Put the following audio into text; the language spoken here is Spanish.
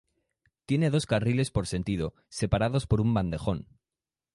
Tiene dos carriles por sentido, separados por un bandejón.